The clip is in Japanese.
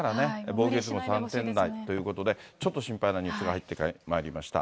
防御率も３点台ということで、ちょっと心配なニュースが入ってまいりました。